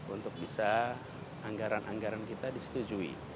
untuk bisa anggaran anggaran kita disetujui